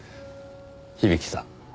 響さん。